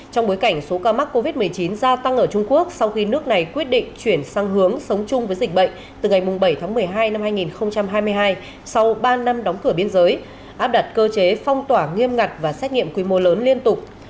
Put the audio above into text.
trong bối cảnh số ca mắc covid một mươi chín gia tăng ở trung quốc sau khi nước này quyết định chuyển sang hướng sống chung với dịch bệnh từ ngày bảy tháng một mươi hai năm hai nghìn hai mươi hai sau ba năm đóng cửa biên giới áp đặt cơ chế phong tỏa nghiêm ngặt và xét nghiệm quy mô lớn liên tục